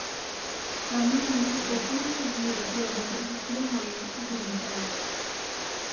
Caamaño se propuso seguir las huellas del García Moreno administrador.